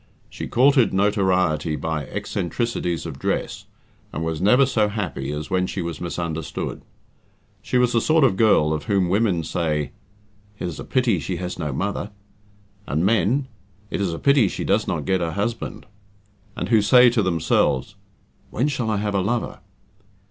She courted notoriety by eccentricities of dress, and was never so happy as when she was misunderstood. She was the sort of girl of whom women say "It is a pity she has no mother"; and men, "It is a pity she does not get a husband"; and who say to themselves, "When shall I have a lover?"